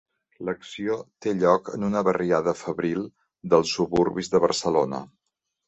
L'acció té lloc en una barriada fabril dels suburbis de Barcelona.